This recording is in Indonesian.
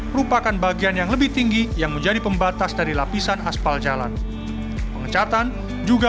merupakan bagian yang lebih tinggi yang menjadi pembatas dari lapisan aspal jalan pengecatan juga